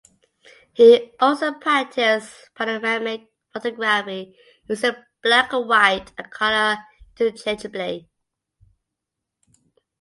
He also practiced panoramic photography using black and white and color interchangeably.